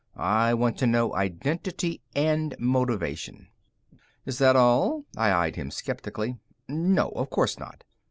I want to know identity and motivation." "Is that all?" I eyed him skeptically. "No. Of course not.